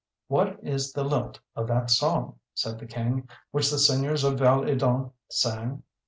What is the lilt of that song," said the King, "which the singers of Val es Dunes sang?"